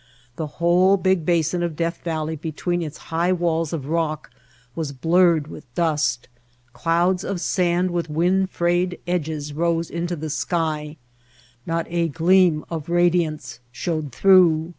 The whole big basin of Death Valley be tween its high walls of rock was blurred with dust, clouds of sand with wind frayed edges rose into the sky, not a gleam of radiance showed through.